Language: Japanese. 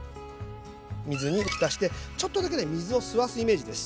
水に浸してちょっとだけ水を吸わすイメージです。